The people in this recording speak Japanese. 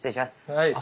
はい。